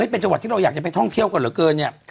เป็นจังหวัดที่เราอยากท่องเที่ยวกันระเกิน